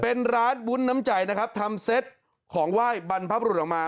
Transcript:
เป็นร้านวุ้นน้ำใจนะครับทำเซตของไหว้บรรพบรุษออกมา